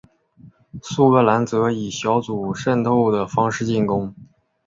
苏格兰则以小组渗透的方式进攻。